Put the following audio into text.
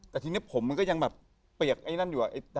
แต่ทีนี้ผมมันก็ยังแบบเปียกไอ้นั่นอยู่